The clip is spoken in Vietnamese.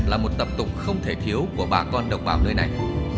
là một tập tụng không thể thiếu của bà con độc bảo nơi này